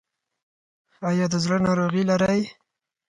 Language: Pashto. ایا د زړه ناروغي لرئ؟